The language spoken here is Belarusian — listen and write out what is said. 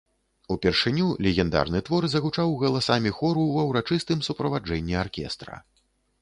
Упершыню легендарны твор загучаў галасамі хору ва ўрачыстым суправаджэнні аркестра.